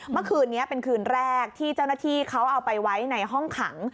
เมื่อคืนนี้เป็นคืนแรกที่เจ้าหน้าที่เขาเอาไปไว้ในห้องขัง